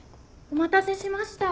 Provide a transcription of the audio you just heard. お待たせしました。